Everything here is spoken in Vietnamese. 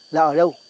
là ở đâu